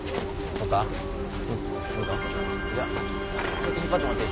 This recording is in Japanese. そっち引っ張ってもらっていいっすか？